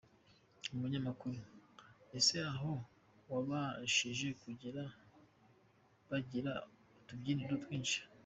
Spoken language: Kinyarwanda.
Umunyamakuru: Ese aho wabashije kugera bagira utubyiniro twinshi?.